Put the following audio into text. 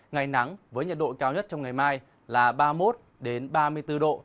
ngày nắng với nhiệt độ cao nhất trong ngày mai là ba mươi một ba mươi bốn độ